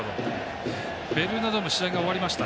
ベルーナドーム試合が終わりました。